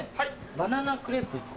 バナナクレープ１個。